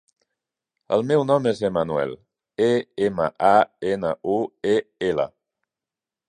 El meu nom és Emanuel: e, ema, a, ena, u, e, ela.